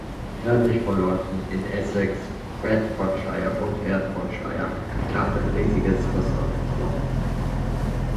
Nördlich von London, in Essex, Bedfordshire und Hertfordshire, klafft ein riesiges Versorgungsloch.